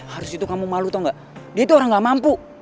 harus itu kamu malu tau gak dia tuh orang gak mampu